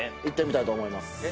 行ってみたいと思います。